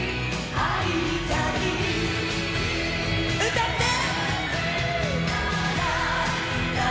歌って！